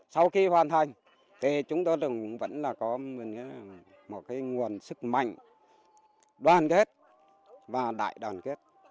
sau khi hoàn thành thì chúng tôi vẫn có một nguồn sức mạnh đoàn kết và đại đoàn kết